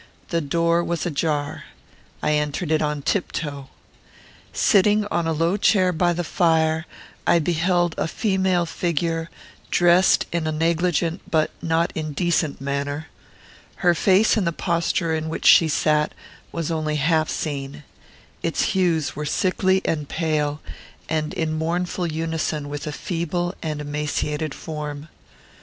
The door was ajar. I entered it on tiptoe. Sitting on a low chair by the fire, I beheld a female figure, dressed in a negligent but not indecent manner. Her face, in the posture in which she sat, was only half seen. Its hues were sickly and pale, and in mournful unison with a feeble and emaciated form.